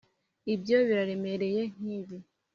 ibyo biraremereye nkibi